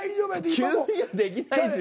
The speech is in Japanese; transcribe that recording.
急にはできないですよ。